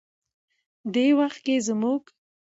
دې وخت کې زموږ